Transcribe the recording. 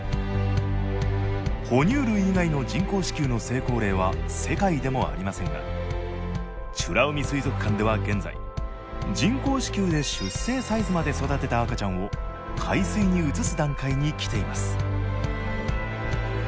哺乳類以外の人工子宮の成功例は世界でもありませんが美ら海水族館では現在人工子宮で出生サイズまで育てた赤ちゃんを海水に移す段階にきています